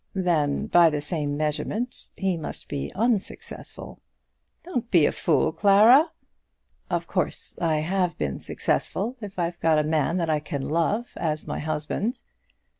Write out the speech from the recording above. "Then by the same measurement he must be unsuccessful." "Don't be a fool, Clara." "Of course I have been successful if I've got a man that I can love as my husband."